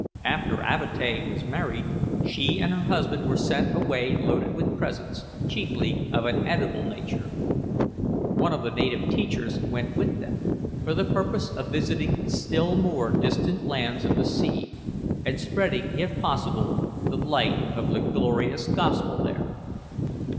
After Avatea was married, she and her husband were sent away loaded with presents, chiefly of an edible nature. One of the native teachers went with them, for the purpose of visiting still more distant islands of the sea, and spreading, if possible, the light of the glorious Gospel there.